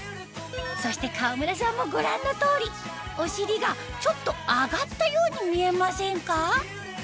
そして川村さんもご覧の通りお尻がちょっと上がったように見えませんか？